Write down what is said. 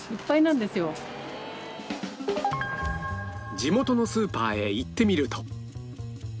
地元のスーパーへ行ってみると